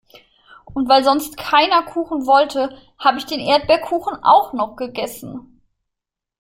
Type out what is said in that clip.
Und weil sonst keiner Kuchen wollte, habe ich den Erdbeerkuchen auch noch gegessen.